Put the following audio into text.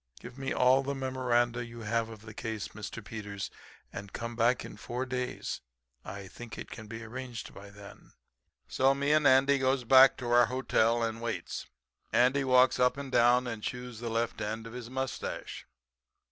Give me all the memoranda you have of the case, Mr. Peters, and come back in four days. I think it can be arranged by then.' "So me and Andy goes back to our hotel and waits. Andy walks up and down and chews the left end of his mustache.